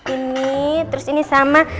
ini terus ini sama